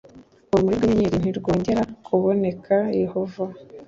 urumuri rw inyenyeri ntirwongera kuboneka yehova